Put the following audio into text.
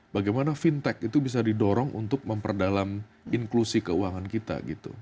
bagaimana fintech itu bisa didorong untuk memperdalam inklusi keuangan kita gitu